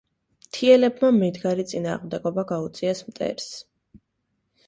მთიელებმა მედგარი წინააღმდეგობა გაუწიეს მტერს.